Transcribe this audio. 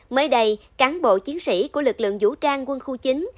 mới đây cán bộ chiến sĩ của lực lượng vũ trang quân khu chín